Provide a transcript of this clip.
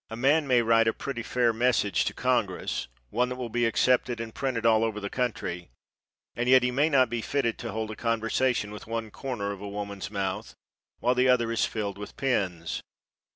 A man may write a pretty fair message to congress, one that will be accepted and printed all over the country, and yet he may not be fitted to hold a conversation with one corner of a woman's mouth while the other is filled with pins.